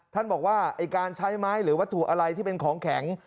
ท่านบอกว่าไอ้การใช้ไม้หรือวัตถุอะไรที่เป็นของแข็ง